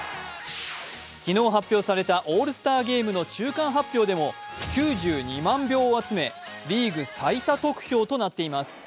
昨日発表されたオールスターゲームの中間発表でも９２万票を集め、リーグ最多得票となっています。